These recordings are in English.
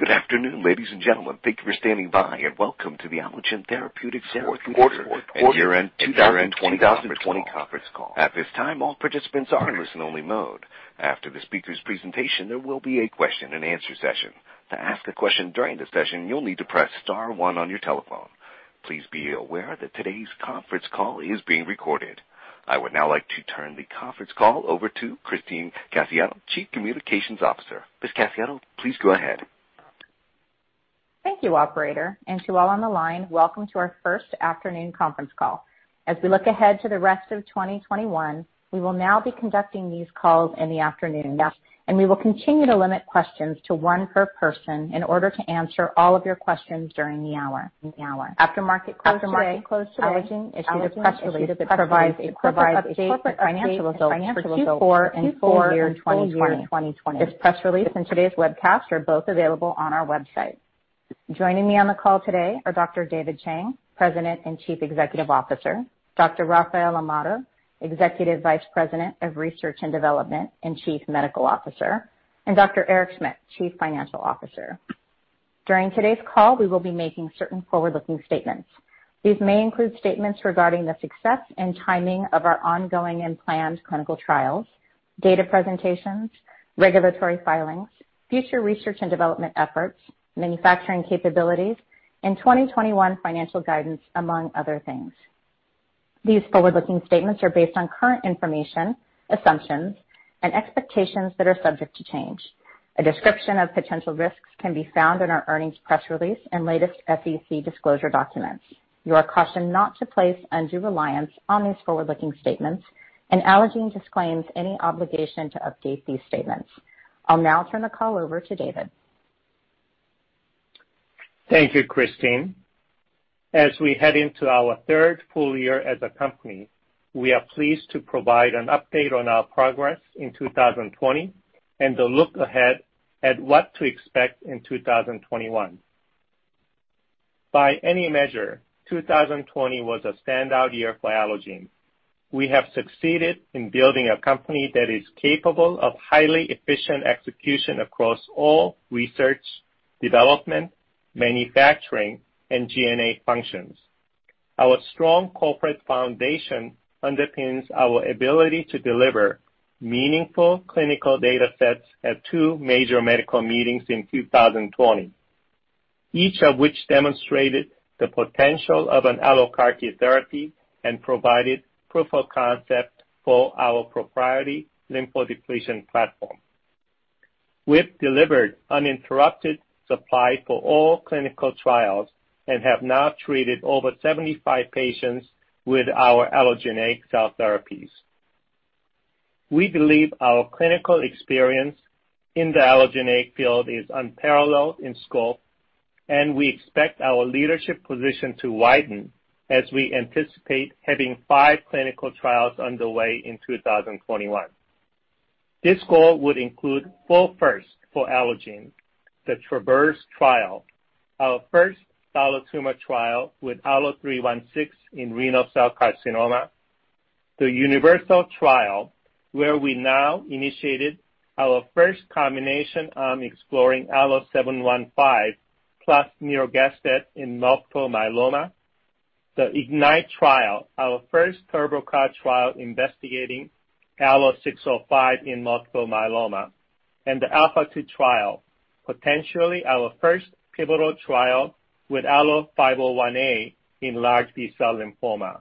Good afternoon, ladies and gentlemen. Thank you for standing by and welcome to the Allogene Therapeutics Tomaso di Vignano Oregon 2020 conference call. At this time, all participants are in listen-only mode. After the speaker's presentation, there will be a question-and-answer session. To ask a question during the session, you'll need to press star one on your telephone. Please be aware that today's conference call is being recorded. I would now like to turn the conference call over to Christine Cassiano, Chief Communications Officer. Ms. Cassiano, please go ahead. Thank you, Operator. To all on the line, welcome to our first afternoon conference call. As we look ahead to the rest of 2021, we will now be conducting these calls in the afternoon, and we will continue to limit questions to one per person in order to answer all of your questions during the hour. After market closed today, we issued a press release that provides a corporate update on corporate financial results for Q4 and full year 2020. This press release and today's webcast are both available on our website. Joining me on the call today are Dr. David Chang, President and Chief Executive Officer; Dr. Rafael Amado, Executive Vice President of Research and Development and Chief Medical Officer; and Dr. Eric Schmidt, Chief Financial Officer. During today's call, we will be making certain forward-looking statements. These may include statements regarding the success and timing of our ongoing and planned clinical trials, data presentations, regulatory filings, future research and development efforts, manufacturing capabilities, and 2021 financial guidance, among other things. These forward-looking statements are based on current information, assumptions, and expectations that are subject to change. A description of potential risks can be found in our earnings press release and latest SEC disclosure documents. You are cautioned not to place undue reliance on these forward-looking statements, and Allogene disclaims any obligation to update these statements. I'll now turn the call over to David. Thank you, Christine. As we head into our third full year as a company, we are pleased to provide an update on our progress in 2020 and a look ahead at what to expect in 2021. By any measure, 2020 was a standout year for Allogene Therapeutics. We have succeeded in building a company that is capable of highly efficient execution across all research, development, manufacturing, and GNA functions. Our strong corporate foundation underpins our ability to deliver meaningful clinical data sets at two major medical meetings in 2020, each of which demonstrated the potential of an allogeneic CAR T therapy and provided proof of concept for our proprietary lymphodepletion platform. We've delivered uninterrupted supply for all clinical trials and have now treated over 75 patients with our Allogene CAR T therapies. We believe our clinical experience in the Allogene field is unparalleled in scope, and we expect our leadership position to widen as we anticipate having five clinical trials underway in 2021. This goal would include four firsts for Allogene: the TRAVERSE trial, our first AlloTumor trial with Allo316 in renal cell carcinoma; the UNIVERSAL trial, where we now initiated our first combination arm exploring Allo715 plus nirogacestat in multiple myeloma; the IGNITE trial, our first TurboCAR trial investigating Allo605 in multiple myeloma; and the ALPHA2 trial, potentially our first pivotal trial with Allo501A in large B-cell lymphoma.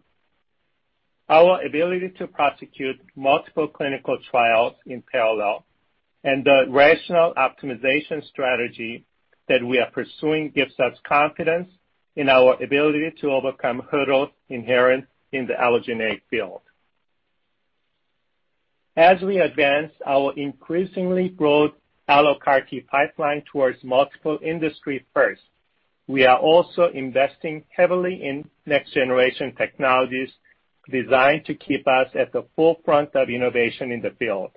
Our ability to prosecute multiple clinical trials in parallel and the rational optimization strategy that we are pursuing gives us confidence in our ability to overcome hurdles inherent in the Allogene field. As we advance our increasingly broad allogeneic CAR T pipeline towards multiple industry firsts, we are also investing heavily in next-generation technologies designed to keep us at the forefront of innovation in the field.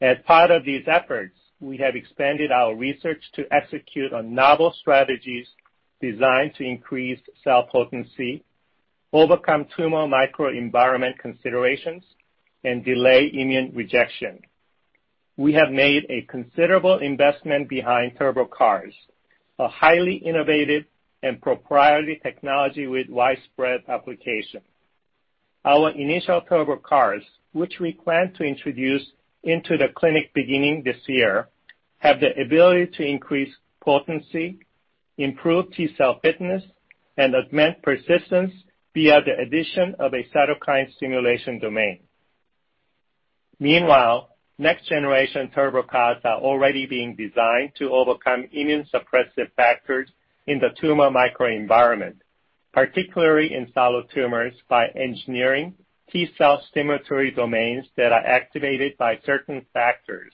As part of these efforts, we have expanded our research to execute on novel strategies designed to increase cell potency, overcome tumor microenvironment considerations, and delay immune rejection. We have made a considerable investment behind TurboCAR, a highly innovative and proprietary technology with widespread application. Our initial TurboCARs, which we plan to introduce into the clinic beginning this year, have the ability to increase potency, improve T-cell fitness, and augment persistence via the addition of a cytokine stimulation domain. Meanwhile, next-generation TurboCARs are already being designed to overcome immunosuppressive factors in the tumor microenvironment, particularly in solid tumors by engineering T-cell stimulatory domains that are activated by certain factors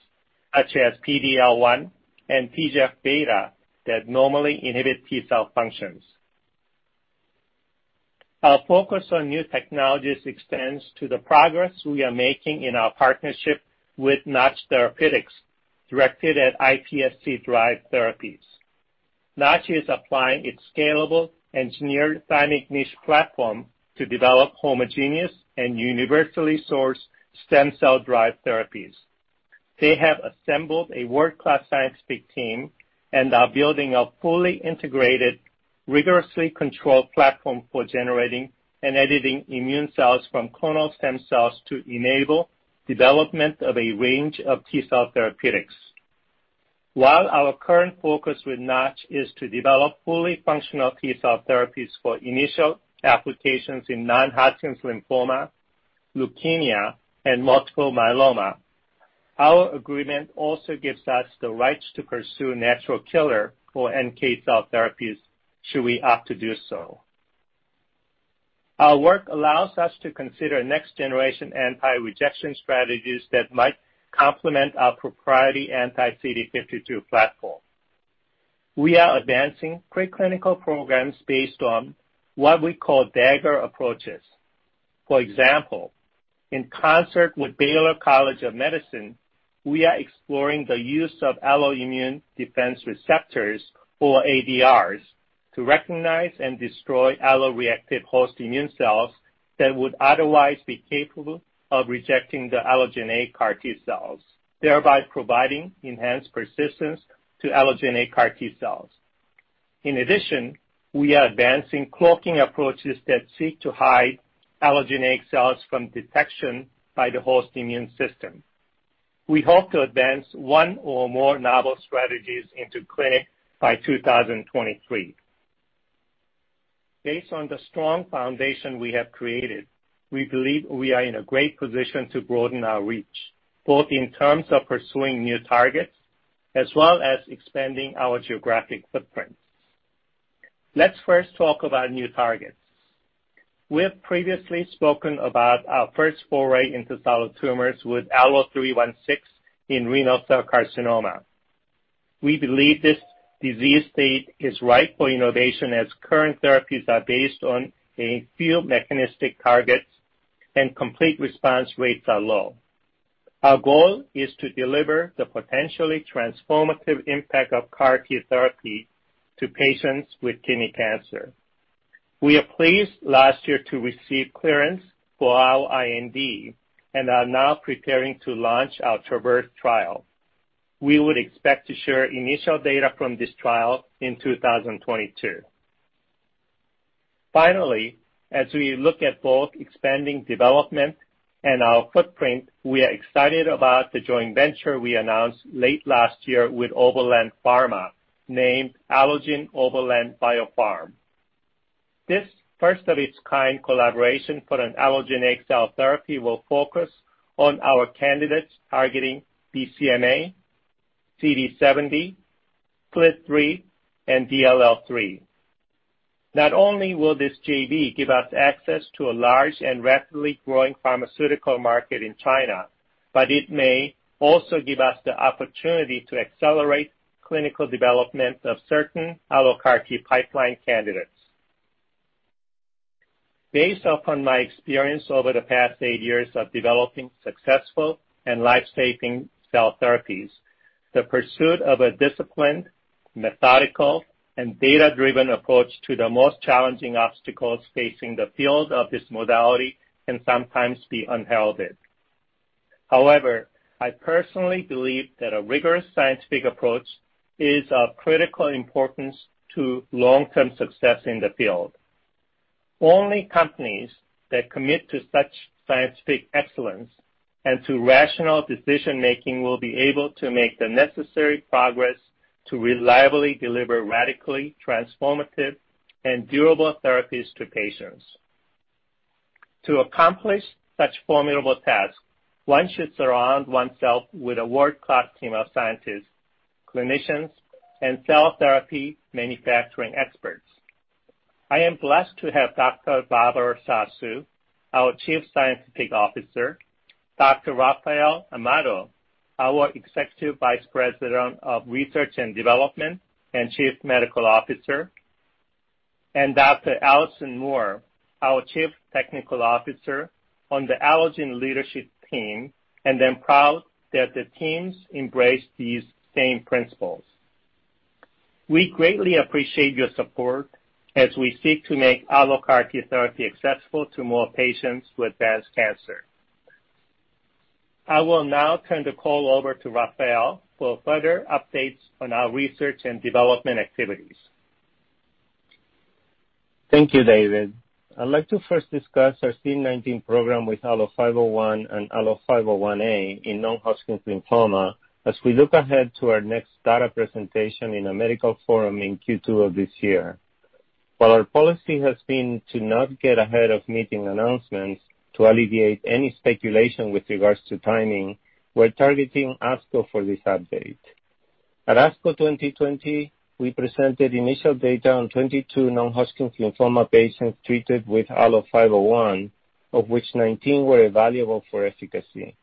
such as PD-L1 and TGF beta that normally inhibit T-cell functions. Our focus on new technologies extends to the progress we are making in our partnership with Notch Therapeutics, directed at iPSC drive therapies. Notch is applying its scalable, engineered thymic niche platform to develop homogeneous and universally sourced stem cell drive therapies. They have assembled a world-class scientific team and are building a fully integrated, rigorously controlled platform for generating and editing immune cells from clonal stem cells to enable development of a range of T-cell therapeutics. While our current focus with Notch is to develop fully functional T-cell therapies for initial applications in non-Hodgkin's lymphoma, leukemia, and multiple myeloma, our agreement also gives us the rights to pursue natural killer or NK cell therapies should we opt to do so. Our work allows us to consider next-generation anti-rejection strategies that might complement our proprietary anti-CD52 platform. We are advancing preclinical programs based on what we call dagger approaches. For example, in concert with Baylor College of Medicine, we are exploring the use of alloimmune defense receptors, or ADRs, to recognize and destroy allo-reactive host immune cells that would otherwise be capable of rejecting the Allogene CAR T cells, thereby providing enhanced persistence to Allogene CAR T cells. In addition, we are advancing cloaking approaches that seek to hide Allogene cells from detection by the host immune system. We hope to advance one or more novel strategies into clinic by 2023. Based on the strong foundation we have created, we believe we are in a great position to broaden our reach, both in terms of pursuing new targets as well as expanding our geographic footprint. Let's first talk about new targets. We have previously spoken about our first foray into solid tumors with Allo316 in renal cell carcinoma. We believe this disease state is ripe for innovation as current therapies are based on a few mechanistic targets and complete response rates are low. Our goal is to deliver the potentially transformative impact of CAR T therapy to patients with kidney cancer. We are pleased last year to receive clearance for our IND and are now preparing to launch our TRAVERSE trial. We would expect to share initial data from this trial in 2022. Finally, as we look at both expanding development and our footprint, we are excited about the joint venture we announced late last year with Overland Pharmaceuticals named Allogene Overland BioPharm. This first-of-its-kind collaboration for an allogeneic cell therapy will focus on our candidates targeting BCMA, CD70, SPLT3, and DLL3. Not only will this joint venture give us access to a large and rapidly growing pharmaceutical market in China, but it may also give us the opportunity to accelerate clinical development of certain allogeneic pipeline candidates. Based upon my experience over the past eight years of developing successful and lifesaving cell therapies, the pursuit of a disciplined, methodical, and data-driven approach to the most challenging obstacles facing the field of this modality can sometimes be unheralded. However, I personally believe that a rigorous scientific approach is of critical importance to long-term success in the field. Only companies that commit to such scientific excellence and to rational decision-making will be able to make the necessary progress to reliably deliver radically transformative and durable therapies to patients. To accomplish such formidable tasks, one should surround oneself with a world-class team of scientists, clinicians, and cell therapy manufacturing experts. I am blessed to have Dr. Barbra Sasu, our Chief Scientific Officer, Dr. Rafael Amado, our Executive Vice President of Research and Development and Chief Medical Officer, and Dr. Alison Moore, our Chief Technical Officer on the Allogene leadership team, and I'm proud that the teams embrace these same principles. We greatly appreciate your support as we seek to make allogeneic therapy accessible to more patients with advanced cancer. I will now turn the call over to Rafael for further updates on our research and development activities. Thank you, David. I'd like to first discuss our CD19 program with Allo501 and Allo501A in non-Hodgkin's lymphoma as we look ahead to our next data presentation in a medical forum in Q2 of this year. While our policy has been to not get ahead of meeting announcements to alleviate any speculation with regards to timing, we're targeting ASCO for this update. At ASCO 2020, we presented initial data on 22 non-Hodgkin's lymphoma patients treated with Allo501, of which 19 were evaluable for efficacy.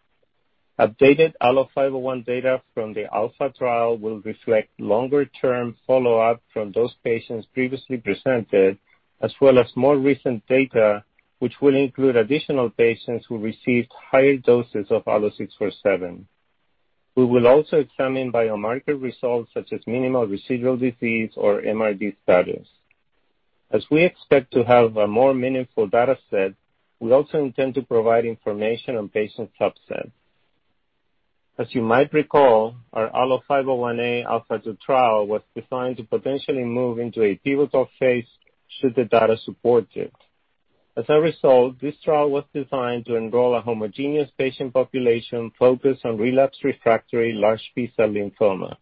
Updated Allo501 data from the ALPHA trial will reflect longer-term follow-up from those patients previously presented, as well as more recent data, which will include additional patients who received higher doses of Allo647. We will also examine biomarker results such as minimal residual disease or MRD status. As we expect to have a more meaningful data set, we also intend to provide information on patient subset. As you might recall, our Allo501A ALPHA2 trial was designed to potentially move into a pivotal phase should the data support it. As a result, this trial was designed to enroll a homogeneous patient population focused on relapsed refractory large B-cell lymphoma.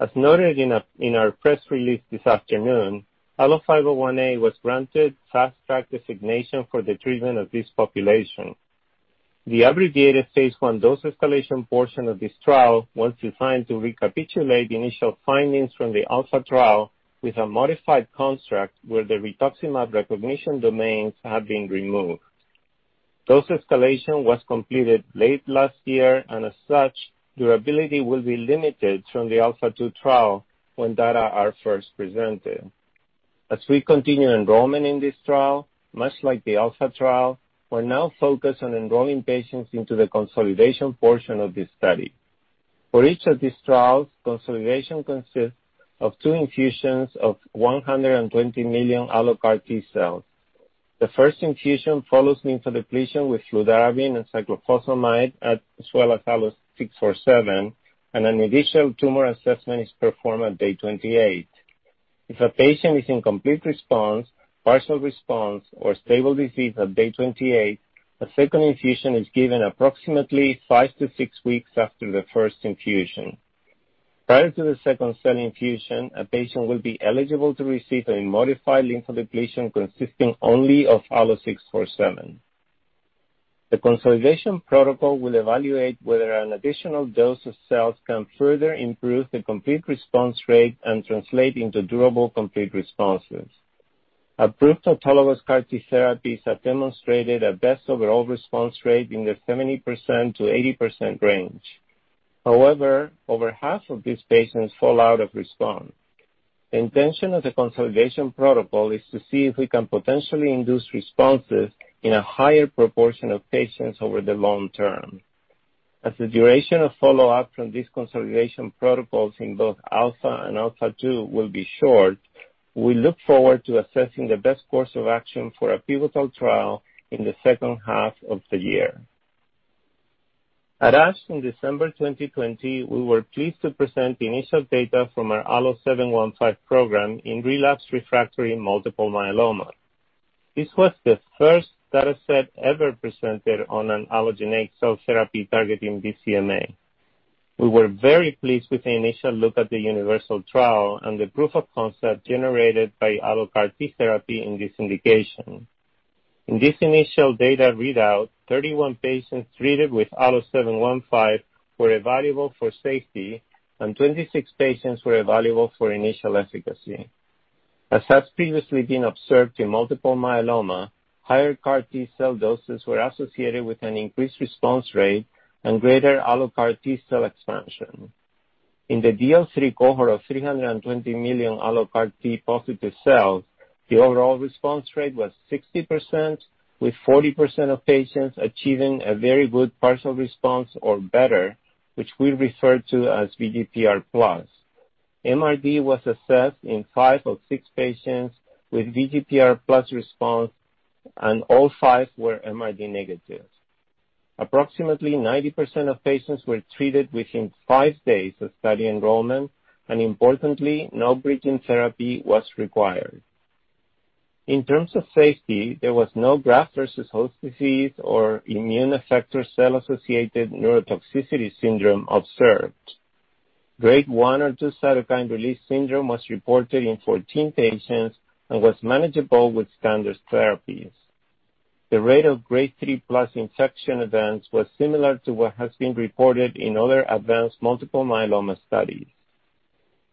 As noted in our press release this afternoon, Allo501A was granted fast-track designation for the treatment of this population. The abbreviated phase one dose escalation portion of this trial was designed to recapitulate initial findings from the ALPHA trial with a modified construct where the rituximab recognition domains have been removed. Dose escalation was completed late last year, and as such, durability will be limited from the ALPHA2 trial when data are first presented. As we continue enrollment in this trial, much like the ALPHA trial, we're now focused on enrolling patients into the consolidation portion of this study. For each of these trials, consolidation consists of two infusions of 120 million allogeneic CAR T cells. The first infusion follows lymphodepletion with fludarabine and cyclophosphamide as well as Allo647, and an initial tumor assessment is performed on day 28. If a patient is in complete response, partial response, or stable disease on day 28, a second infusion is given approximately five to six weeks after the first infusion. Prior to the second cell infusion, a patient will be eligible to receive a modified lymphodepletion consisting only of Allo647. The consolidation protocol will evaluate whether an additional dose of cells can further improve the complete response rate and translate into durable complete responses. Approved autologous CAR T therapies have demonstrated a best overall response rate in the 70%-80% range. However, over half of these patients fall out of response. The intention of the consolidation protocol is to see if we can potentially induce responses in a higher proportion of patients over the long term. As the duration of follow-up from these consolidation protocols in both ALPHA and ALPHA2 will be short, we look forward to assessing the best course of action for a pivotal trial in the second half of the year. At ASCO in December 2020, we were pleased to present the initial data from our Allo715 program in relapsed refractory multiple myeloma. This was the first data set ever presented on an allogeneic cell therapy targeting BCMA. We were very pleased with the initial look at the UNIVERSAL trial and the proof of concept generated by allogeneic therapy in this indication. In this initial data readout, 31 patients treated with Allo715 were evaluable for safety, and 26 patients were evaluable for initial efficacy. As has previously been observed in multiple myeloma, higher CAR T cell doses were associated with an increased response rate and greater AlloCAR T cell expansion. In the DL3 cohort of 320 million AlloCAR T positive cells, the overall response rate was 60%, with 40% of patients achieving a very good partial response or better, which we refer to as VGPR plus. MRD was assessed in five of six patients with VGPR plus response, and all five were MRD negative. Approximately 90% of patients were treated within five days of study enrollment, and importantly, no bridging therapy was required. In terms of safety, there was no graft-versus-host disease or immune effector cell-associated neurotoxicity syndrome observed. Grade 1 or 2 cytokine release syndrome was reported in 14 patients and was manageable with standard therapies. The rate of grade 3+ infection events was similar to what has been reported in other advanced multiple myeloma studies.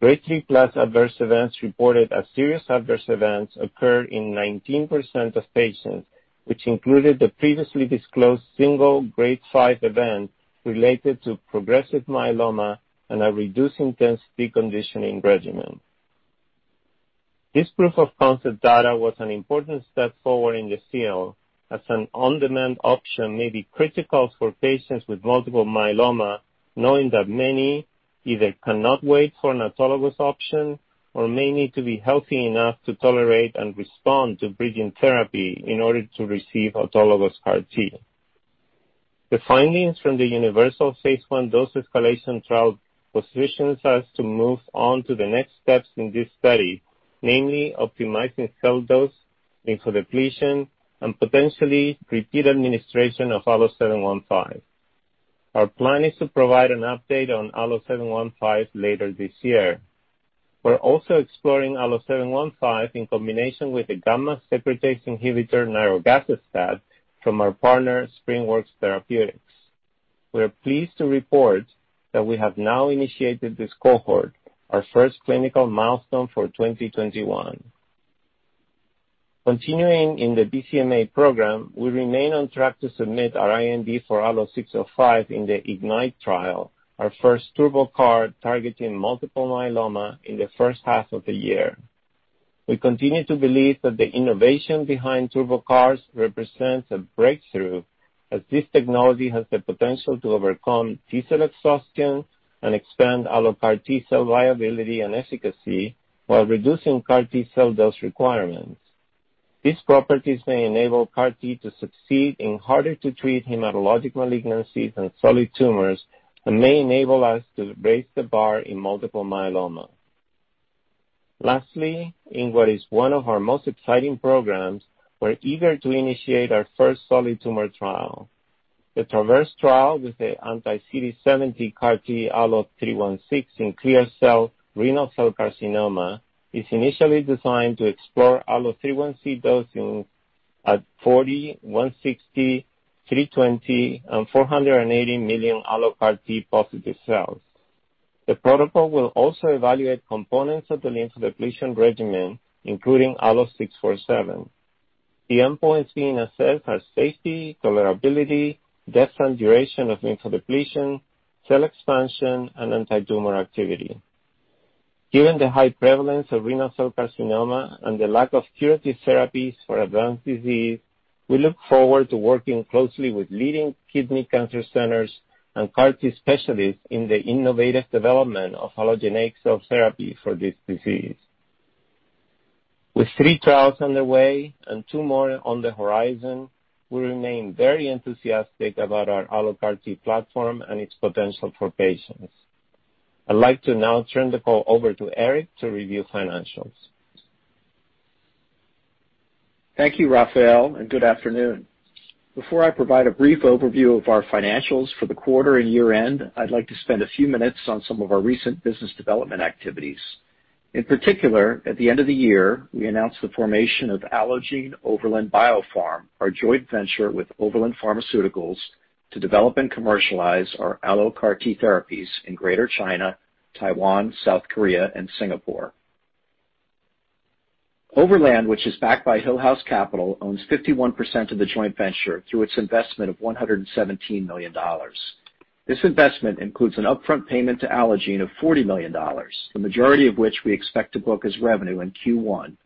Grade 3+ adverse events reported as serious adverse events occurred in 19% of patients, which included the previously disclosed single grade 5 event related to progressive myeloma and a reduced intensity conditioning regimen. This proof of concept data was an important step forward in the field, as an on-demand option may be critical for patients with multiple myeloma, knowing that many either cannot wait for an autologous option or may need to be healthy enough to tolerate and respond to bridging therapy in order to receive autologous CAR T. The findings from the UNIVERSAL phase I dose escalation trial positions us to move on to the next steps in this study, namely optimizing cell dose, lymphodepletion, and potentially repeat administration of Allo715. Our plan is to provide an update on Allo715 later this year. We're also exploring Allo715 in combination with the gamma secretase inhibitor nirogacestat from our partner Springworks Therapeutics. We are pleased to report that we have now initiated this cohort, our first clinical milestone for 2021. Continuing in the BCMA program, we remain on track to submit our IND for Allo605 in the IGNITE trial, our first TurboCAR targeting multiple myeloma in the first half of the year. We continue to believe that the innovation behind TurboCARs represents a breakthrough, as this technology has the potential to overcome T cell exhaustion and expand allogeneic cell viability and efficacy while reducing CAR T cell dose requirements. These properties may enable CAR T to succeed in harder-to-treat hematologic malignancies and solid tumors and may enable us to raise the bar in multiple myeloma. Lastly, in what is one of our most exciting programs, we're eager to initiate our first solid tumor trial. The TRAVERSE trial with the anti-CD70 CAR T Allo316 in clear cell renal cell carcinoma is initially designed to explore Allo316 dosing at 40, 160, 320, and 480 million alloCAR T positive cells. The protocol will also evaluate components of the lymphodepletion regimen, including Allo647. The endpoints being assessed are safety, tolerability, depth and duration of lymphodepletion, cell expansion, and anti-tumor activity. Given the high prevalence of renal cell carcinoma and the lack of curative therapies for advanced disease, we look forward to working closely with leading kidney cancer centers and CAR T specialists in the innovative development of Allogene cell therapy for this disease. With three trials underway and two more on the horizon, we remain very enthusiastic about our alloCAR T platform and its potential for patients. I'd like to now turn the call over to Eric to review financials. Thank you, Rafael, and good afternoon. Before I provide a brief overview of our financials for the quarter and year-end, I'd like to spend a few minutes on some of our recent business development activities. In particular, at the end of the year, we announced the formation of Allogene Overland BioPharm, our joint venture with Overland Pharmaceuticals to develop and commercialize our allogeneic CAR T therapies in Greater China, Taiwan, South Korea, and Singapore. Overland, which is backed by Hillhouse Capital, owns 51% of the joint venture through its investment of $117 million. This investment includes an upfront payment to Allogene of $40 million, the majority of which we expect to book as revenue in Q1,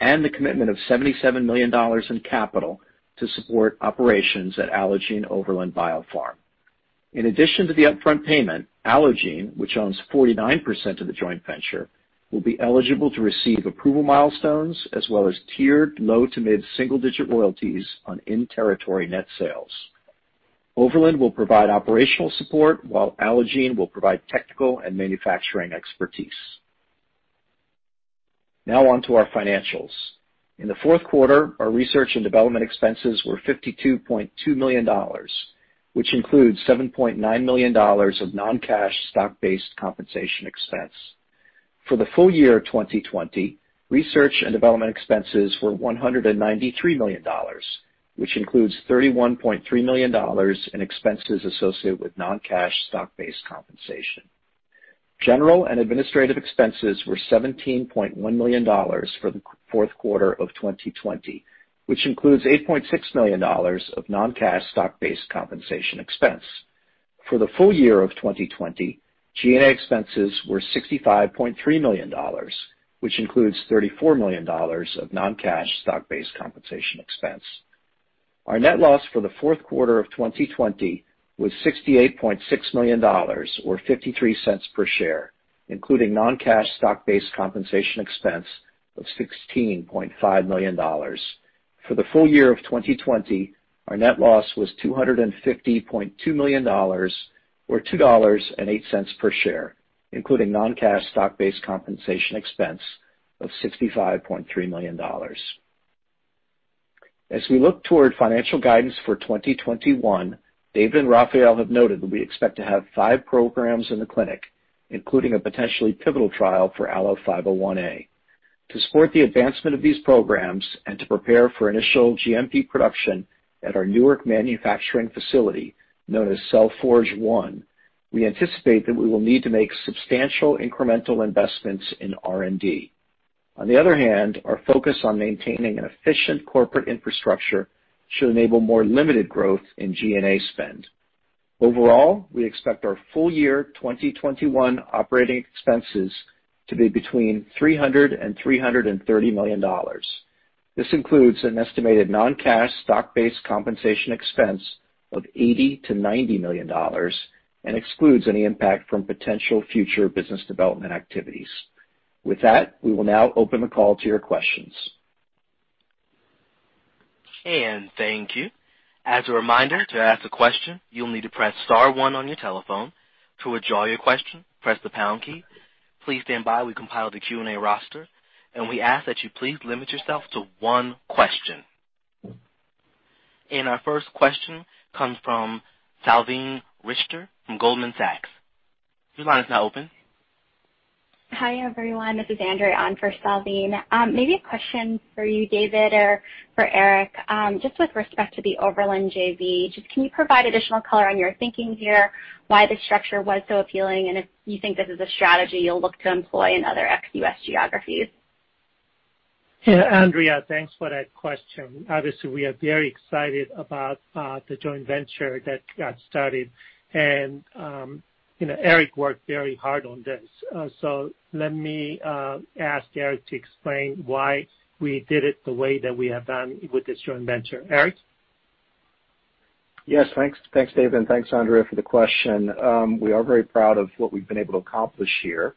and the commitment of $77 million in capital to support operations at Allogene Overland BioPharm. In addition to the upfront payment, Allogene, which owns 49% of the joint venture, will be eligible to receive approval milestones as well as tiered low to mid single-digit royalties on in-territory net sales. Overland will provide operational support, while Allogene will provide technical and manufacturing expertise. Now on to our financials. In the fourth quarter, our research and development expenses were $52.2 million, which includes $7.9 million of non-cash stock-based compensation expense. For the full year of 2020, research and development expenses were $193 million, which includes $31.3 million in expenses associated with non-cash stock-based compensation. General and administrative expenses were $17.1 million for the fourth quarter of 2020, which includes $8.6 million of non-cash stock-based compensation expense. For the full year of 2020, G&A expenses were $65.3 million, which includes $34 million of non-cash stock-based compensation expense. Our net loss for the fourth quarter of 2020 was $68.6 million, or $0.53 per share, including non-cash stock-based compensation expense of $16.5 million. For the full year of 2020, our net loss was $250.2 million, or $2.08 per share, including non-cash stock-based compensation expense of $65.3 million. As we look toward financial guidance for 2021, David and Rafael have noted that we expect to have five programs in the clinic, including a potentially pivotal trial for Allo501A. To support the advancement of these programs and to prepare for initial GMP production at our Newark manufacturing facility known as CellForge One, we anticipate that we will need to make substantial incremental investments in R&D. On the other hand, our focus on maintaining an efficient corporate infrastructure should enable more limited growth in G&A spend. Overall, we expect our full year 2021 operating expenses to be between $300 million and $330 million. This includes an estimated non-cash stock-based compensation expense of $80 million to $90 million and excludes any impact from potential future business development activities. With that, we will now open the call to your questions. Thank you. As a reminder, to ask a question, you'll need to press star one on your telephone. To withdraw your question, press the pound key. Please stand by. We compiled the Q&A roster, and we ask that you please limit yourself to one question. Our first question comes from Salveen Richter from Goldman Sachs. Your line is now open. Hi everyone. This is Andrea Ahn for Salveen. Maybe a question for you, David, or for Eric, just with respect to the Overland JV. Just can you provide additional color on your thinking here, why the structure was so appealing, and if you think this is a strategy you'll look to employ in other ex-U.S. geographies? Yeah, Andrea, thanks for that question. Obviously, we are very excited about the joint venture that got started, and Eric worked very hard on this. Let me ask Eric to explain why we did it the way that we have done with this joint venture. Eric? Yes, thanks. Thanks, David, and thanks, Andrea, for the question. We are very proud of what we've been able to accomplish here.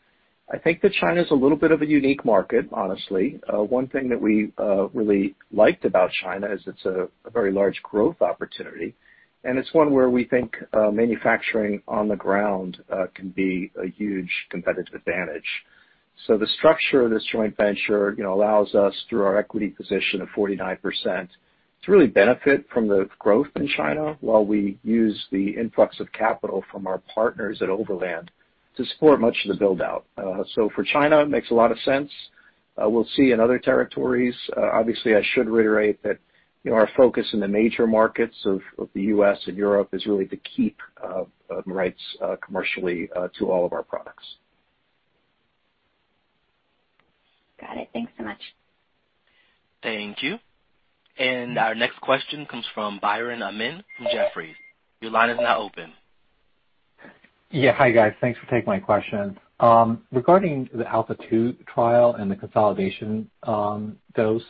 I think that China is a little bit of a unique market, honestly. One thing that we really liked about China is it's a very large growth opportunity, and it's one where we think manufacturing on the ground can be a huge competitive advantage. The structure of this joint venture allows us, through our equity position of 49%, to really benefit from the growth in China while we use the influx of capital from our partners at Overland to support much of the build-out. For China, it makes a lot of sense. We'll see in other territories. Obviously, I should reiterate that our focus in the major markets of the US and Europe is really to keep rights commercially to all of our products. Got it. Thanks so much. Thank you. Our next question comes from Biren N. Amin from Jefferies. Your line is now open. Yeah, hi guys. Thanks for taking my question. Regarding the ALPHA2 trial and the consolidation dose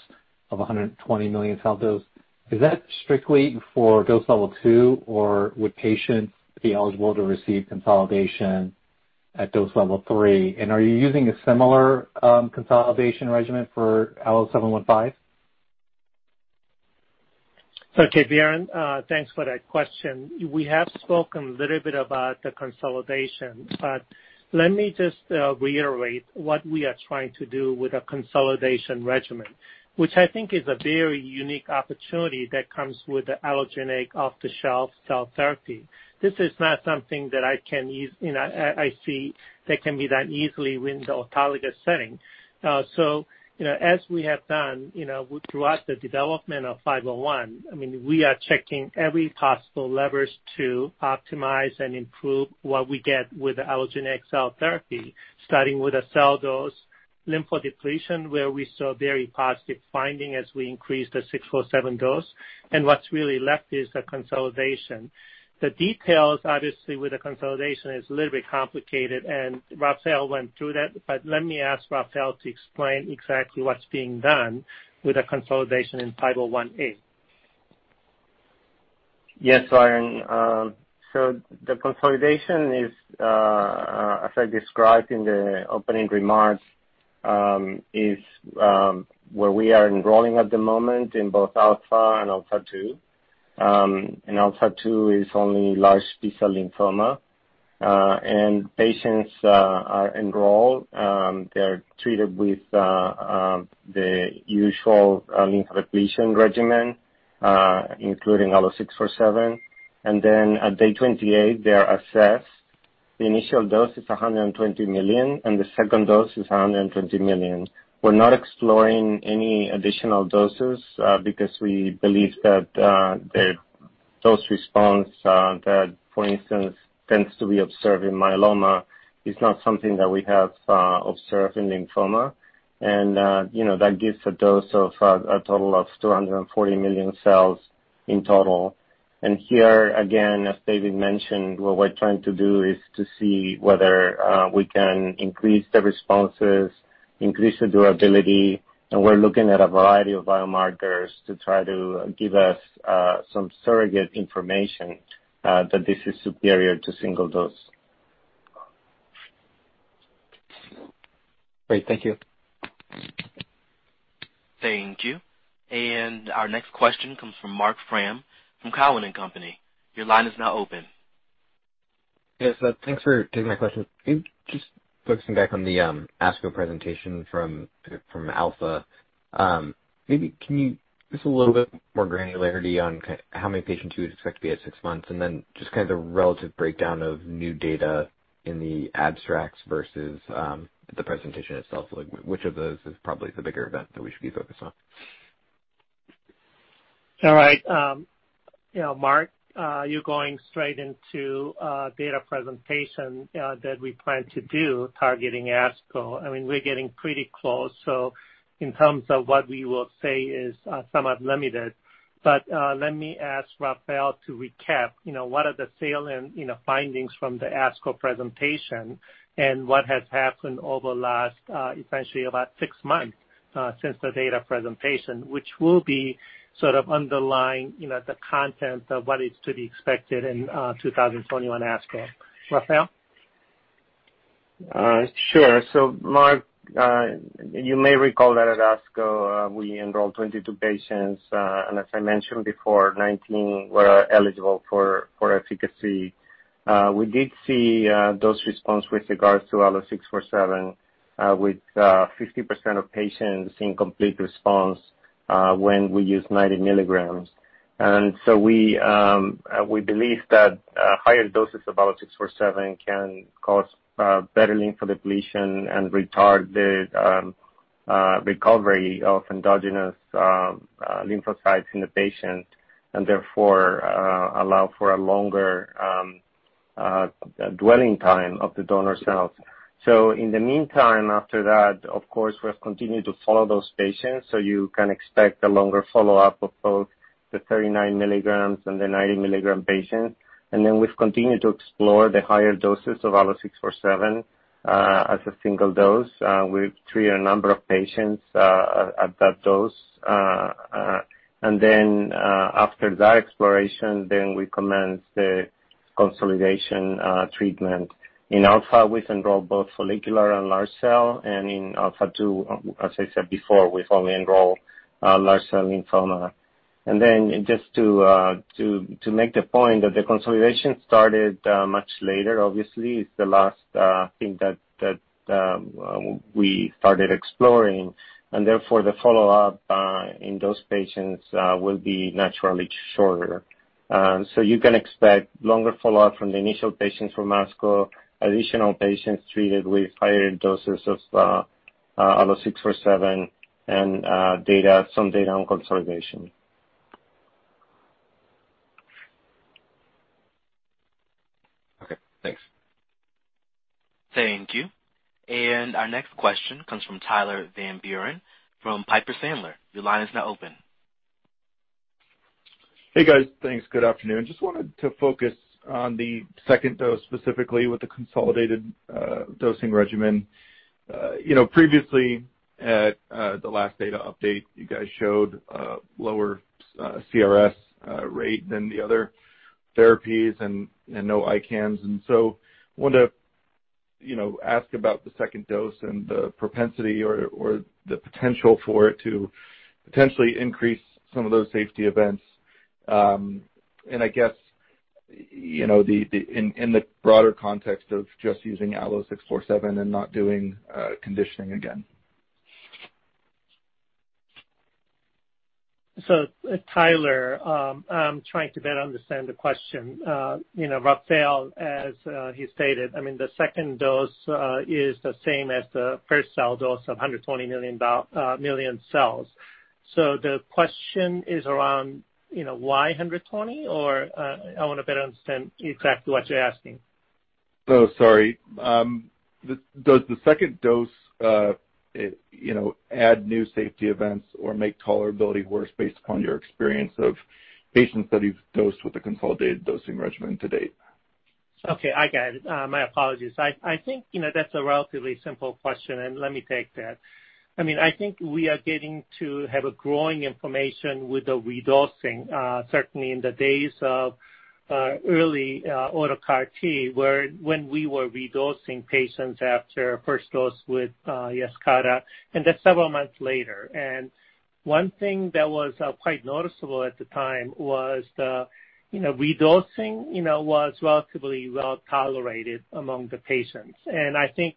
of 120 million cell dose, is that strictly for dose level two, or would patients be eligible to receive consolidation at dose level three? Are you using a similar consolidation regimen for Allo715? Okay, Biren, thanks for that question. We have spoken a little bit about the consolidation, but let me just reiterate what we are trying to do with a consolidation regimen, which I think is a very unique opportunity that comes with the Allogene off-the-shelf cell therapy. This is not something that I can easily see that can be done easily within the autologous setting. As we have done throughout the development of 501, I mean, we are checking every possible levers to optimize and improve what we get with the Allogene XL therapy, starting with a cell dose, lymphodepletion, where we saw very positive findings as we increased the 647 dose. What is really left is the consolidation. The details, obviously, with the consolidation is a little bit complicated, and Rafael went through that, but let me ask Rafael to explain exactly what's being done with the consolidation in 501A. Yes, Biren. The consolidation, as I described in the opening remarks, is where we are enrolling at the moment in both ALPHA and ALPHA2. ALPHA2 is only large B-cell lymphoma. Patients are enrolled. They are treated with the usual lymphodepletion regimen, including Allo647. At day 28, they are assessed. The initial dose is 120 million, and the second dose is 120 million. We are not exploring any additional doses because we believe that the dose response that, for instance, tends to be observed in myeloma is not something that we have observed in lymphoma. That gives a dose of a total of 240 million cells in total. Here, again, as David mentioned, what we're trying to do is to see whether we can increase the responses, increase the durability, and we're looking at a variety of biomarkers to try to give us some surrogate information that this is superior to single dose. Great. Thank you. Thank you. Our next question comes from Mark Graham from Cowen & Company. Your line is now open. Thanks for taking my question. Just focusing back on the ASCO presentation from ALPHA. Maybe can you give us a little bit more granularity on how many patients you would expect to be at six months, and then just kind of the relative breakdown of new data in the abstracts versus the presentation itself? Which of those is probably the bigger event that we should be focused on? All right. Mark, you're going straight into data presentation that we plan to do targeting ASCO. I mean, we're getting pretty close, so in terms of what we will say is somewhat limited. Let me ask Rafael to recap what are the salient findings from the ASCO presentation and what has happened over the last, essentially, about six months since the data presentation, which will be sort of underlying the content of what is to be expected in 2021 ASCO. Rafael? Sure.So, Mark, you may recall that at ASCO, we enrolled 22 patients, and as I mentioned before, 19 were eligible for efficacy. We did see dose response with regards to Allo647, with 50% of patients seeing complete response when we used 90 milligrams. We believe that higher doses of Allo647 can cause better lymphodepletion and retard the recovery of endogenous lymphocytes in the patient, and therefore allow for a longer dwelling time of the donor cells. In the meantime, after that, of course, we have continued to follow those patients, so you can expect a longer follow-up of both the 39 milligrams and the 90 milligram patients. We have continued to explore the higher doses of Allo647 as a single dose. We have treated a number of patients at that dose. After that exploration, we commence the consolidation treatment. In ALPHA, we've enrolled both follicular and large cell, and in ALPHA2, as I said before, we've only enrolled large cell lymphoma. Just to make the point that the consolidation started much later, obviously, is the last thing that we started exploring. Therefore, the follow-up in those patients will be naturally shorter. You can expect longer follow-up from the initial patients from ASCO, additional patients treated with higher doses of Allo647, and some data on consolidation. Okay. Thanks. Thank you. Our next question comes from Tyler Van Buren from Piper Sandler. Your line is now open. Hey, guys. Thanks. Good afternoon. Just wanted to focus on the second dose specifically with the consolidated dosing regimen. Previously, at the last data update, you guys showed a lower CRS rate than the other therapies and no ICANS. I wanted to ask about the second dose and the propensity or the potential for it to potentially increase some of those safety events. I guess in the broader context of just using Allo647 and not doing conditioning again. Tyler, I'm trying to better understand the question. Rafael, as he stated, I mean, the second dose is the same as the first cell dose of 120 million cells. The question is around why 120, or I want to better understand exactly what you're asking. Oh, sorry. Does the second dose add new safety events or make tolerability worse based upon your experience of patients that you've dosed with the consolidated dosing regimen to date? Okay. I got it. My apologies. I think that's a relatively simple question, and let me take that. I mean, I think we are getting to have a growing information with the redosing, certainly in the days of early autologous CAR T, when we were redosing patients after first dose with Yescarta. And that's several months later. One thing that was quite noticeable at the time was the redosing was relatively well tolerated among the patients. I think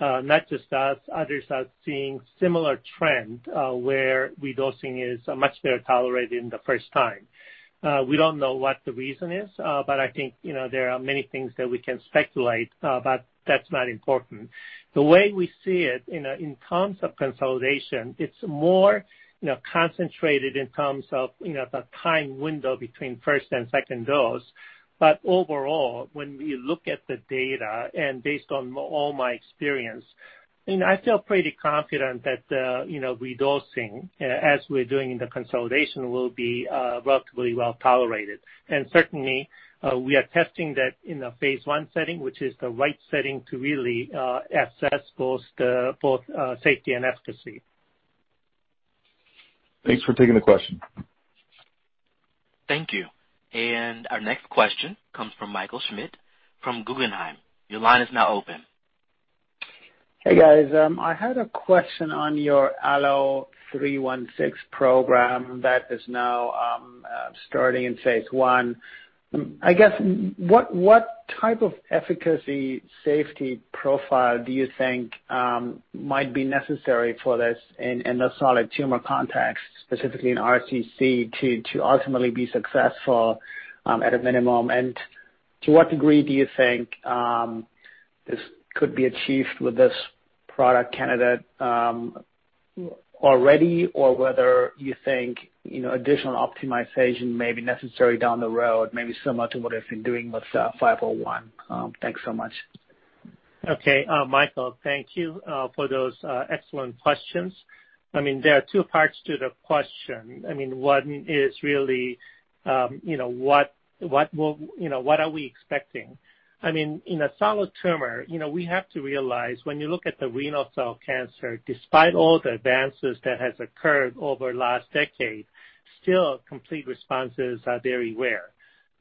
not just us, others are seeing a similar trend where redosing is much better tolerated than the first time. We don't know what the reason is, but I think there are many things that we can speculate, but that's not important. The way we see it in terms of consolidation, it's more concentrated in terms of the time window between first and second dose. Overall, when we look at the data and based on all my experience, I feel pretty confident that redosing, as we're doing in the consolidation, will be relatively well tolerated. Certainly, we are testing that in a phase one setting, which is the right setting to really assess both safety and efficacy. Thanks for taking the question. Thank you. Our next question comes from Michael Schmidt from Guggenheim. Your line is now open. Hey, guys. I had a question on your Allo316 program that is now starting in phase one. I guess what type of efficacy safety profile do you think might be necessary for this in the solid tumor context, specifically in RCC, to ultimately be successful at a minimum? To what degree do you think this could be achieved with this product candidate already, or whether you think additional optimization may be necessary down the road, maybe similar to what we've been doing with 501? Thanks so much. Okay. Michael, thank you for those excellent questions. I mean, there are two parts to the question. I mean, one is really what are we expecting? I mean, in a solid tumor, we have to realize when you look at the renal cell cancer, despite all the advances that have occurred over the last decade, still complete responses are very rare.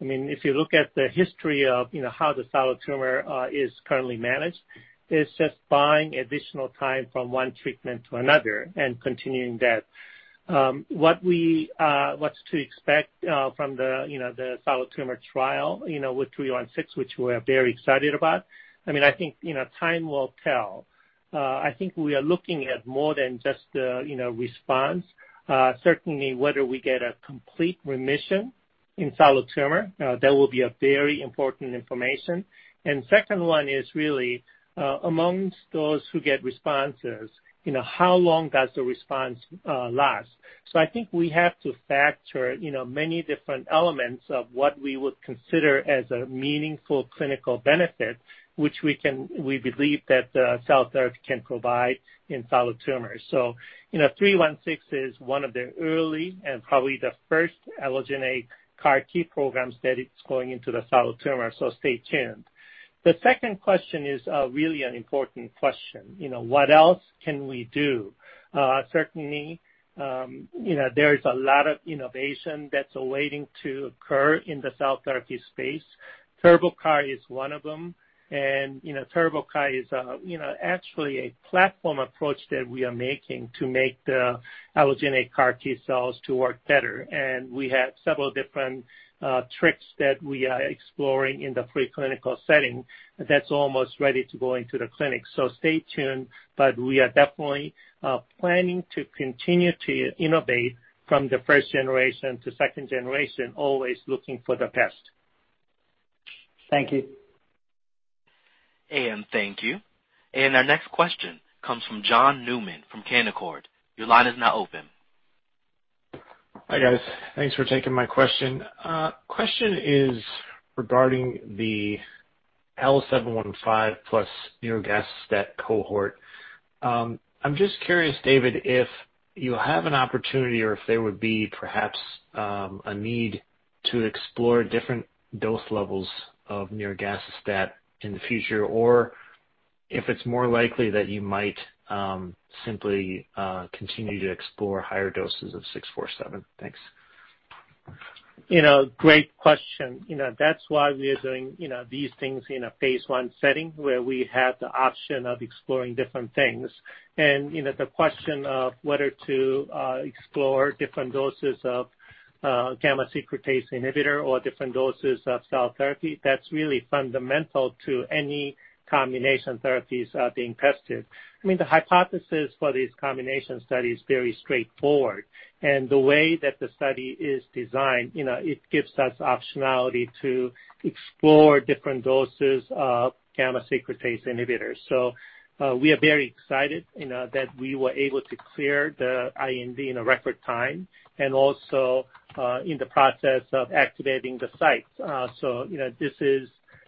I mean, if you look at the history of how the solid tumor is currently managed, it's just buying additional time from one treatment to another and continuing that. What's to expect from the solid tumor trial with ALLO-316, which we're very excited about? I mean, I think time will tell. I think we are looking at more than just the response. Certainly, whether we get a complete remission in solid tumor, that will be very important information. The second one is really amongst those who get responses, how long does the response last? I think we have to factor many different elements of what we would consider as a meaningful clinical benefit, which we believe that the cell therapy can provide in solid tumors. Allo316 is one of the early and probably the first Allogene CAR T programs that is going into the solid tumor, so stay tuned. The second question is really an important question. What else can we do? Certainly, there is a lot of innovation that's awaiting to occur in the cell therapy space. TurboCAR is one of them. TurboCAR is actually a platform approach that we are making to make the Allogene CAR T cells work better. We have several different tricks that we are exploring in the preclinical setting that's almost ready to go into the clinic. Stay tuned, but we are definitely planning to continue to innovate from the first generation to second generation, always looking for the best. Thank you. Thank you. Our next question comes from John Newman from Canaccord. Your line is now open. Hi, guys. Thanks for taking my question. Question is regarding the Allo715 plus Nirogacestat cohort. I'm just curious, David, if you have an opportunity or if there would be perhaps a need to explore different dose levels of Nirogacestat in the future, or if it's more likely that you might simply continue to explore higher doses of 647. Thanks. Great question. That is why we are doing these things in a phase one setting where we have the option of exploring different things. The question of whether to explore different doses of gamma secretase inhibitor or different doses of cell therapy, that is really fundamental to any combination therapies being tested. I mean, the hypothesis for these combination studies is very straightforward. The way that the study is designed, it gives us optionality to explore different doses of gamma secretase inhibitors. We are very excited that we were able to clear the IND in record time and also in the process of activating the sites.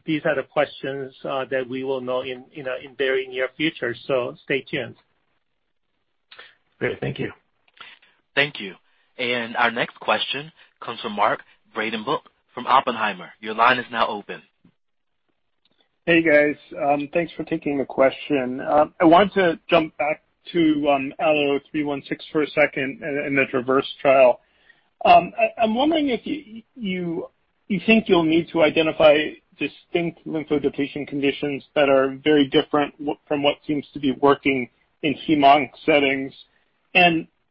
These are the questions that we will know in the very near future, so stay tuned. Great. Thank you. Thank you. Our next question comes from Mark Vredenburg from Oppenheimer. Your line is now open. Hey, guys. Thanks for taking the question. I wanted to jump back to Allo316 for a second and the TRAVERSE trial. I'm wondering if you think you'll need to identify distinct lymphodepletion conditions that are very different from what seems to be working in hematogenous settings.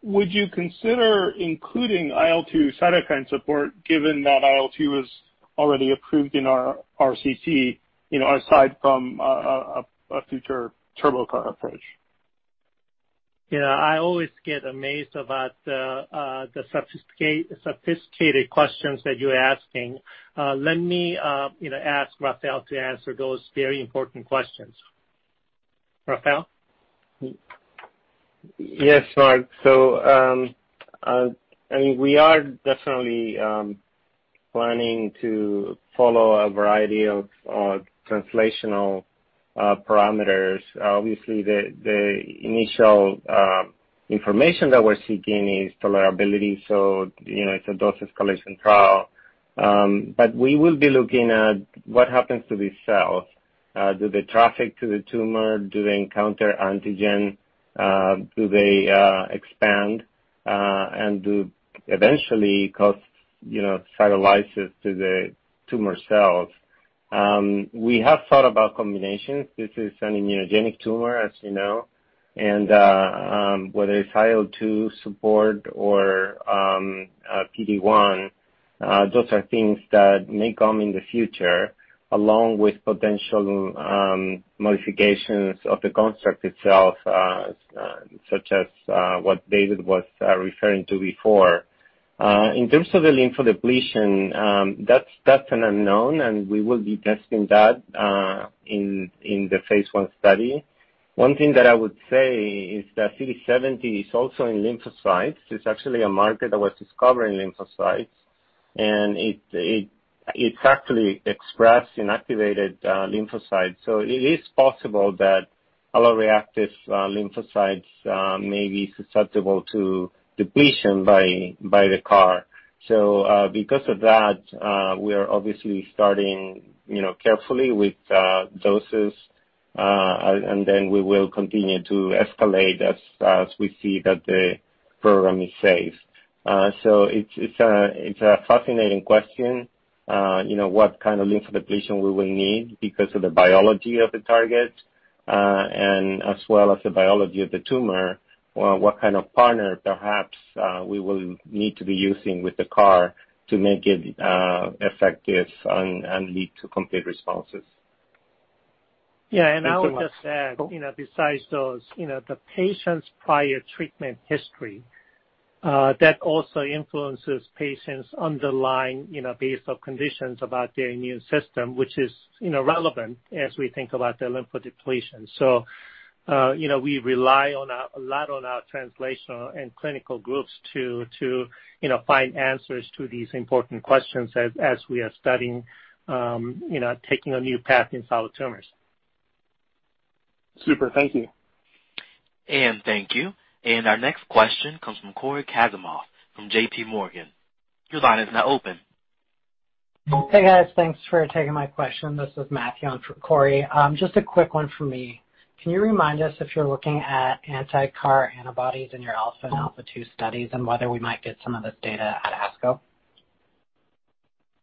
Would you consider including IL-2 cytokine support given that IL-2 is already approved in RCC aside from a future TurboCAR approach? Yeah. I always get amazed about the sophisticated questions that you're asking. Let me ask Rafael to answer those very important questions. Rafael? Yes, Mark. I mean, we are definitely planning to follow a variety of translational parameters. Obviously, the initial information that we're seeking is tolerability, so it's a dose escalation trial. We will be looking at what happens to these cells. Do they traffic to the tumor? Do they encounter antigen? Do they expand? Do they eventually cause cytolysis to the tumor cells? We have thought about combinations. This is an immunogenic tumor, as you know. Whether it's IL-2 support or PD-1, those are things that may come in the future along with potential modifications of the construct itself, such as what David was referring to before. In terms of the lymphodepletion, that's an unknown, and we will be testing that in the phase one study. One thing that I would say is that CD70 is also in lymphocytes. It's actually a marker that was discovered in lymphocytes, and it's actually expressed in activated lymphocytes. It is possible that alloreactive lymphocytes may be susceptible to depletion by the CAR. Because of that, we are obviously starting carefully with doses, and then we will continue to escalate as we see that the program is safe. It's a fascinating question what kind of lymphodepletion we will need because of the biology of the target and as well as the biology of the tumor, what kind of partner perhaps we will need to be using with the CAR to make it effective and lead to complete responses. Yeah. I would just add, besides those, the patient's prior treatment history, that also influences patients' underlying basal conditions about their immune system, which is relevant as we think about the lymphodepletion. We rely a lot on our translational and clinical groups to find answers to these important questions as we are studying, taking a new path in solid tumors. Super. Thank you. Thank you. Our next question comes from Cory Kazimov from JPMorgan. Your line is now open. Hey, guys. Thanks for taking my question. This is Matthew on for Cory. Just a quick one from me. Can you remind us if you're looking at anti-CAR antibodies in your ALPHA and ALPHA2 studies and whether we might get some of this data at ASCO?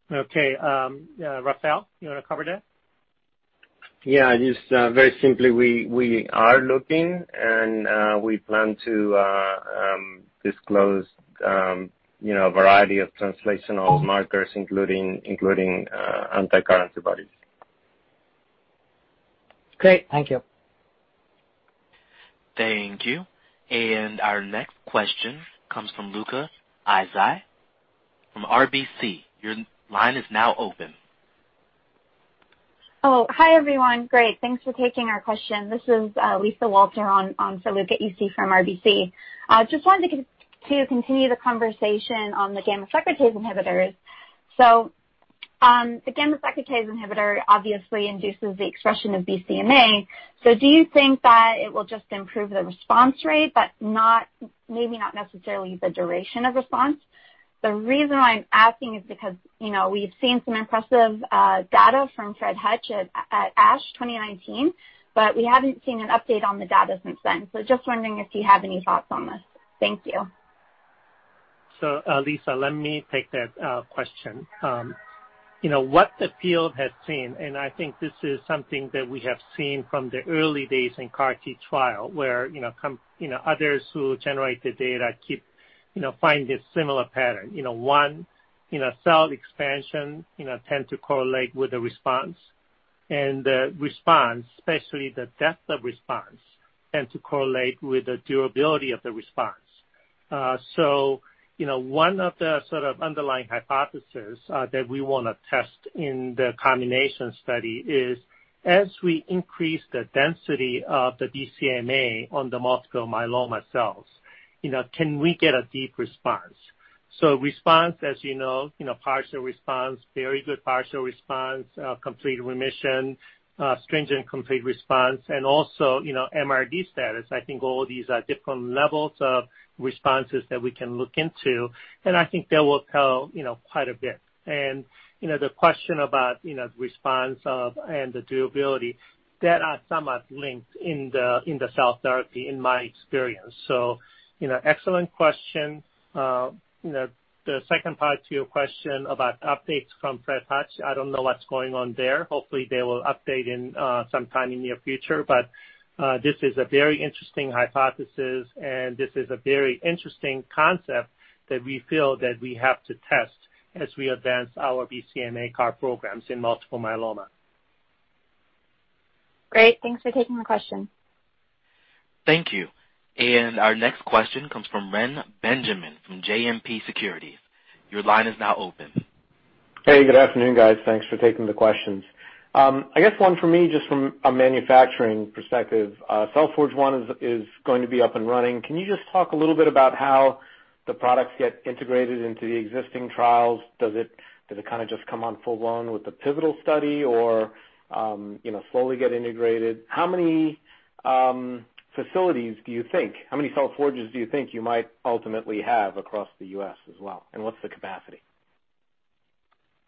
Okay. Rafael, you want to cover that? Yeah. Just very simply, we are looking, and we plan to disclose a variety of translational markers, including anti-CAR antibodies. Great. Thank you. Thank you. Our next question comes from Luca Issi from RBC. Your line is now open. Oh, hi everyone. Great. Thanks for taking our question. This is Lisa Walter on for Luca EC from RBC. I just wanted to continue the conversation on the gamma secretase inhibitors. The gamma secretase inhibitor obviously induces the expression of BCMA. Do you think that it will just improve the response rate, but maybe not necessarily the duration of response? The reason why I'm asking is because we've seen some impressive data from Fred Hutch at ASH 2019, but we haven't seen an update on the data since then. Just wondering if you have any thoughts on this. Thank you. Lisa, let me take that question. What the field has seen, and I think this is something that we have seen from the early days in CAR T trial where others who generate the data find this similar pattern. One, cell expansion tends to correlate with the response. The response, especially the depth of response, tends to correlate with the durability of the response. One of the sort of underlying hypotheses that we want to test in the combination study is, as we increase the density of the BCMA on the multiple myeloma cells, can we get a deep response? Response, as you know, partial response, very good partial response, complete remission, stringent complete response, and also MRD status. I think all these are different levels of responses that we can look into. I think that will tell quite a bit. The question about the response and the durability, that are somewhat linked in the cell therapy in my experience. Excellent question. The second part to your question about updates from Fred Hutch, I do not know what is going on there. Hopefully, they will update sometime in the near future. This is a very interesting hypothesis, and this is a very interesting concept that we feel that we have to test as we advance our BCMA CAR programs in multiple myeloma. Great. Thanks for taking the question. Thank you. Our next question comes from Reni Benjamin from Citizens JMP Securities. Your line is now open. Hey, good afternoon, guys. Thanks for taking the questions. I guess one for me, just from a manufacturing perspective, CellForge One is going to be up and running. Can you just talk a little bit about how the products get integrated into the existing trials? Does it kind of just come on full blown with the pivotal study or slowly get integrated? How many facilities do you think? How many CellForges do you think you might ultimately have across the U.S. as well? What's the capacity?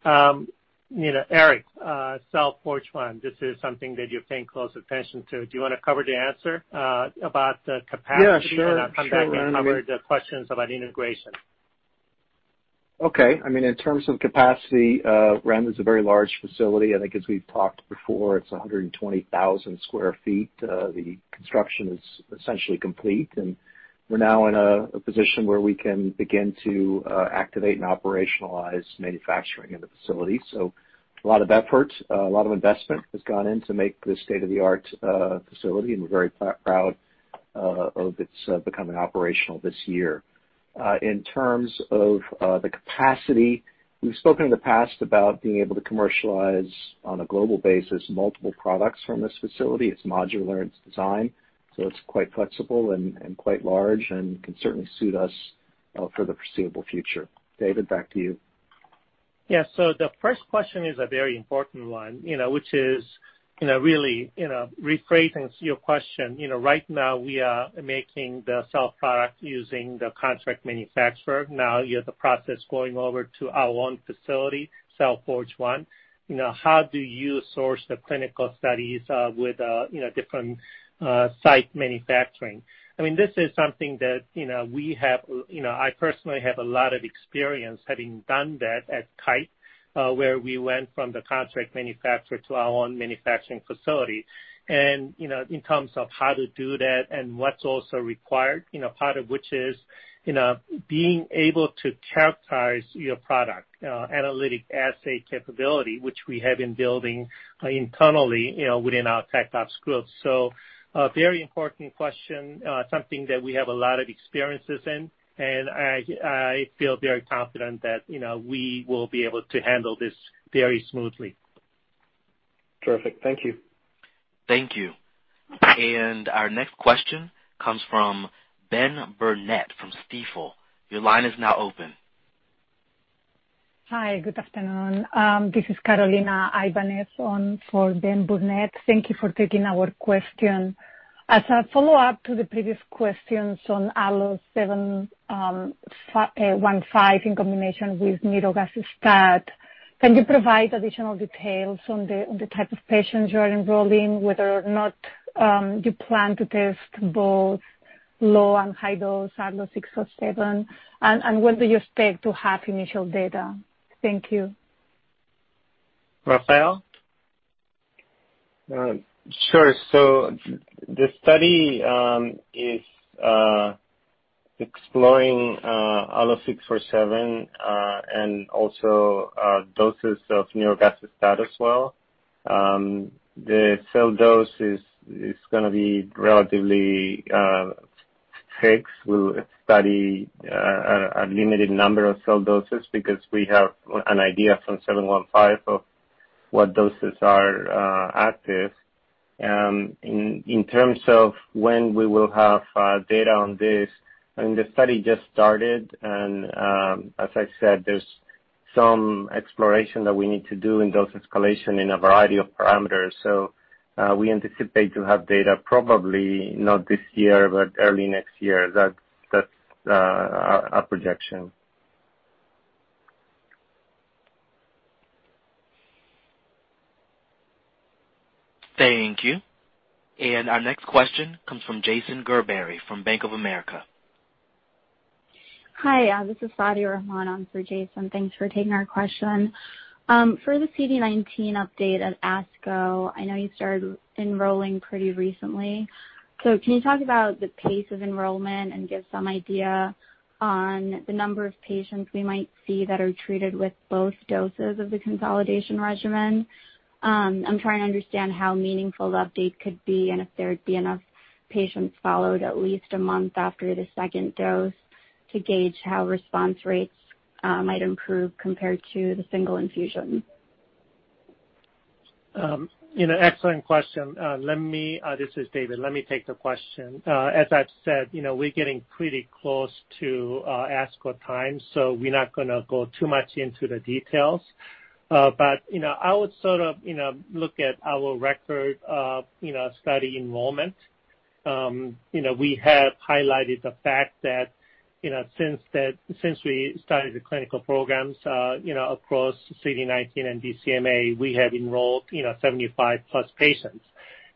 Eric, CellForge One, this is something that you've paid close attention to. Do you want to cover the answer about the capacity? Yeah, sure. I'm sure. I'll come back and cover the questions about integration. Okay. I mean, in terms of capacity, REM is a very large facility. I think as we've talked before, it's 120,000 sq ft. The construction is essentially complete. And we're now in a position where we can begin to activate and operationalize manufacturing in the facility. So a lot of effort, a lot of investment has gone into making this state-of-the-art facility. And we're very proud of its becoming operational this year. In terms of the capacity, we've spoken in the past about being able to commercialize on a global basis multiple products from this facility. It's modular in its design. So it's quite flexible and quite large and can certainly suit us for the foreseeable future. David, back to you. Yeah. The first question is a very important one, which is really rephrasing your question. Right now, we are making the cell product using the contract manufacturer. Now, you have the process going over to our own facility, CellForge One. How do you source the clinical studies with different site manufacturing? I mean, this is something that we have—I personally have a lot of experience having done that at Kite where we went from the contract manufacturer to our own manufacturing facility. In terms of how to do that and what's also required, part of which is being able to characterize your product, analytic assay capability, which we have been building internally within our tech ops group. A very important question, something that we have a lot of experiences in. I feel very confident that we will be able to handle this very smoothly. Perfect. Thank you. Thank you. Our next question comes from Ben Burnett from Stifel. Your line is now open. Hi. Good afternoon. This is Carolina Ibanez on for Ben Burnett. Thank you for taking our question. As a follow-up to the previous questions on Allo715 in combination with nirogacestat, can you provide additional details on the type of patients you are enrolling, whether or not you plan to test both low and high-dose Allo647? When do you expect to have initial data? Thank you. Rafael? Sure. The study is exploring Allo647 and also doses of nirogacestat as well. The cell dose is going to be relatively fixed. We'll study a limited number of cell doses because we have an idea from 715 of what doses are active. In terms of when we will have data on this, I mean, the study just started. As I said, there's some exploration that we need to do in dose escalation in a variety of parameters. We anticipate to have data probably not this year, but early next year. That's our projection. Thank you. Our next question comes from Jason Gerbery from Bank of America. Hi. This is Shahida Rahman on for Jason. Thanks for taking our question. For the CD19 update at ASCO, I know you started enrolling pretty recently. Can you talk about the pace of enrollment and give some idea on the number of patients we might see that are treated with both doses of the consolidation regimen? I'm trying to understand how meaningful the update could be and if there'd be enough patients followed at least a month after the second dose to gauge how response rates might improve compared to the single infusion. Excellent question. This is David. Let me take the question. As I've said, we're getting pretty close to ASCO time, so we're not going to go too much into the details. I would sort of look at our record study enrollment. We have highlighted the fact that since we started the clinical programs across CD19 and BCMA, we have enrolled 75-plus patients.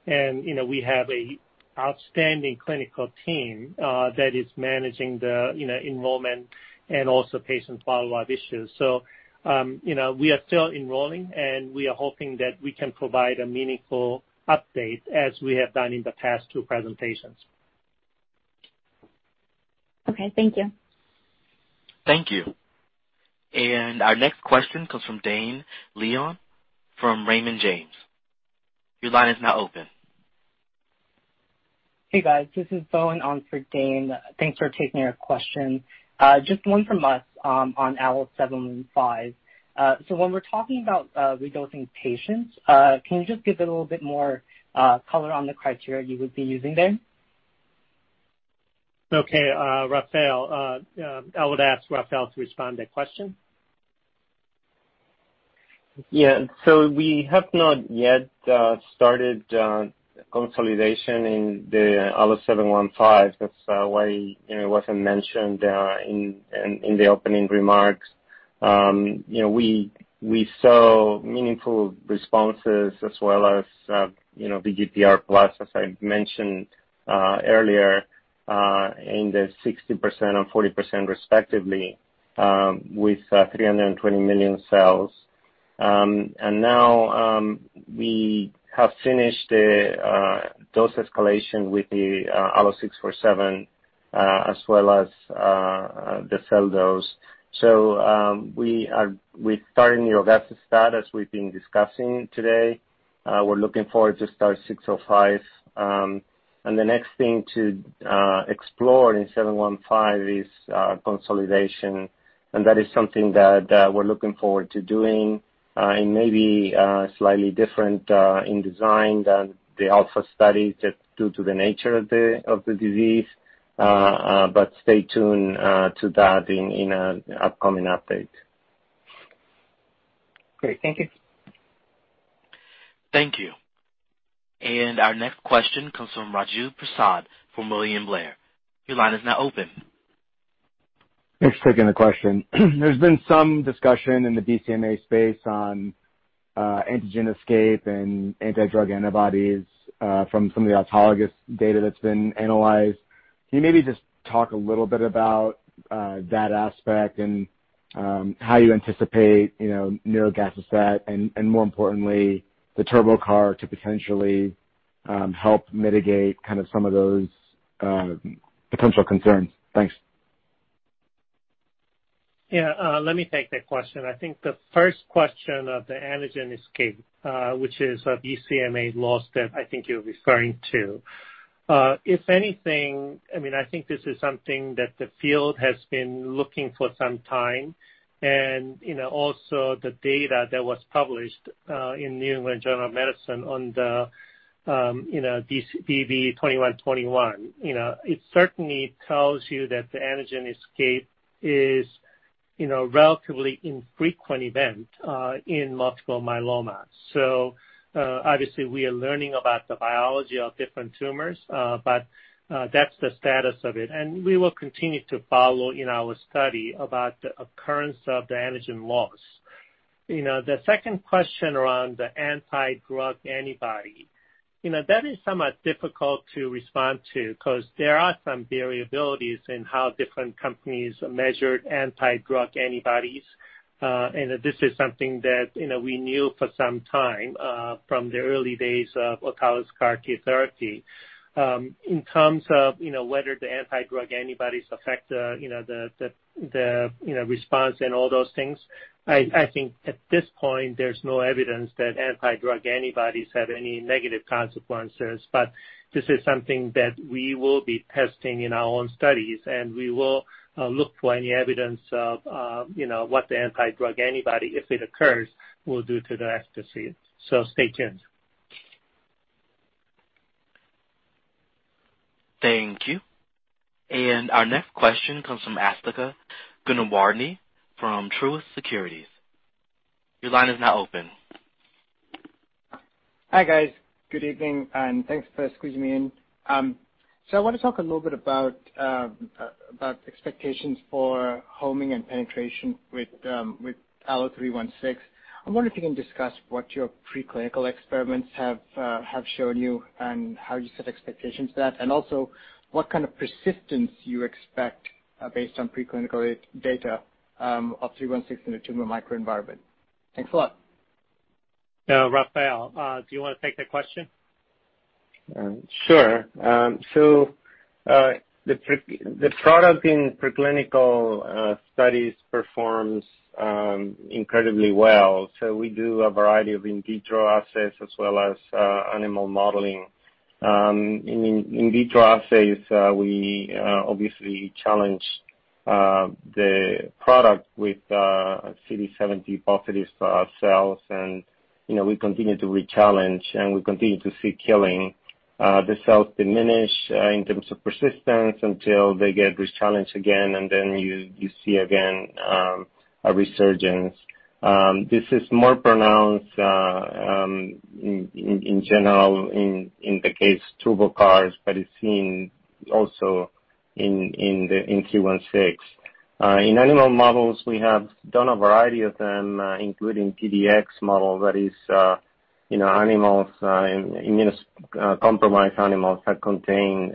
We have an outstanding clinical team that is managing the enrollment and also patient follow-up issues. We are still enrolling, and we are hoping that we can provide a meaningful update as we have done in the past two presentations. Okay. Thank you. Thank you. Our next question comes from Dane Leone from Raymond James. Your line is now open. Hey, guys. This is Bowen on for Dane. Thanks for taking our question. Just one from us on Allo715. When we're talking about redosing patients, can you just give a little bit more color on the criteria you would be using there? Okay. Rafael, I would ask Rafael to respond to that question. Yeah. We have not yet started consolidation in the Allo715. That's why it wasn't mentioned in the opening remarks. We saw meaningful responses as well as VGPR plus, as I mentioned earlier, in the 60% and 40% respectively with 320 million cells. We have finished the dose escalation with the Allo647 as well as the cell dose. We started nirogacestat as we've been discussing today. We're looking forward to start 605. The next thing to explore in 715 is consolidation. That is something that we're looking forward to doing, maybe slightly different in design than the ALPHA studies due to the nature of the disease. Stay tuned to that in an upcoming update. Great. Thank you. Thank you. Our next question comes from Raju Prasad from William Blair. Your line is now open. Thanks for taking the question. There's been some discussion in the BCMA space on antigen escape and antidrug antibodies from some of the autologous data that's been analyzed. Can you maybe just talk a little bit about that aspect and how you anticipate nirogacestat and, more importantly, the TurboCAR to potentially help mitigate kind of some of those potential concerns? Thanks. Yeah. Let me take that question. I think the first question of the antigen escape, which is BCMA loss that I think you're referring to, if anything, I mean, I think this is something that the field has been looking for some time. I mean, also the data that was published in New England Journal of Medicine on the DV2121, it certainly tells you that the antigen escape is a relatively infrequent event in multiple myeloma. Obviously, we are learning about the biology of different tumors, but that's the status of it. We will continue to follow in our study about the occurrence of the antigen loss. The second question around the antidrug antibody, that is somewhat difficult to respond to because there are some variabilities in how different companies measured antidrug antibodies. This is something that we knew for some time from the early days of autologous CAR T therapy. In terms of whether the antidrug antibodies affect the response and all those things, I think at this point, there's no evidence that antidrug antibodies have any negative consequences. This is something that we will be testing in our own studies. We will look for any evidence of what the antidrug antibody, if it occurs, will do to the efficacy. Stay tuned. Thank you. Our next question comes from Asthika Goonewardene from Truist Securities. Your line is now open. Hi, guys. Good evening. Thanks for squeezing me in. I want to talk a little bit about expectations for homing and penetration with Allo316. I wonder if you can discuss what your preclinical experiments have shown you and how you set expectations for that. Also, what kind of persistence you expect based on preclinical data of 316 in the tumor microenvironment. Thanks a lot. Rafael, do you want to take that question? Sure. The product in preclinical studies performs incredibly well. We do a variety of in vitro assays as well as animal modeling. In in vitro assays, we obviously challenge the product with CD70 positive cells. We continue to rechallenge, and we continue to see killing. The cells diminish in terms of persistence until they get rechallenged again. Then you see again a resurgence. This is more pronounced in general in the case of TurboCARs, but it is seen also in 316. In animal models, we have done a variety of them, including TDX model that is immunocompromised animals that contain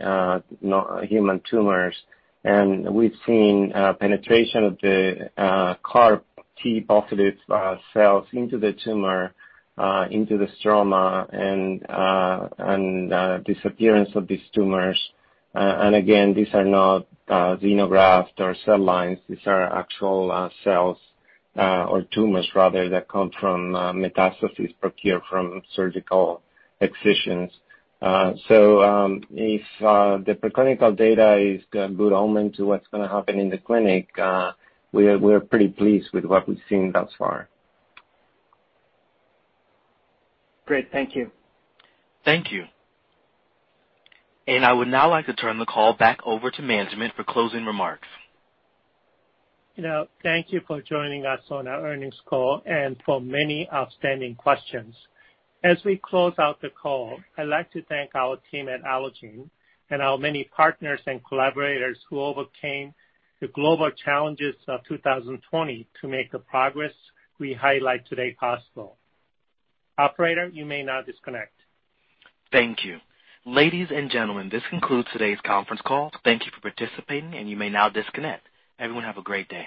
human tumors. We have seen penetration of the CAR T positive cells into the tumor, into the stroma, and disappearance of these tumors. These are not xenograft or cell lines. These are actual cells or tumors rather that come from metastases procured from surgical excisions. If the preclinical data is a good omen to what's going to happen in the clinic, we are pretty pleased with what we've seen thus far. Great. Thank you. Thank you. I would now like to turn the call back over to management for closing remarks. Thank you for joining us on our earnings call and for many outstanding questions. As we close out the call, I'd like to thank our team at Allogene Therapeutics and our many partners and collaborators who overcame the global challenges of 2020 to make the progress we highlight today possible. Operator, you may now disconnect. Thank you. Ladies and gentlemen, this concludes today's conference call. Thank you for participating, and you may now disconnect. Everyone have a great day.